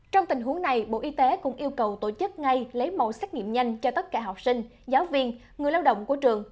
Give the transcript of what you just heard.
trong tình huống này bộ y tế cũng yêu cầu tổ chức ngay lấy mẫu xét nghiệm nhanh cho tất cả học sinh giáo viên người lao động của trường